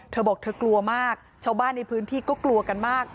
เธอบอกเธอกลัวมากชาวบ้านในพื้นที่ก็กลัวกันมาก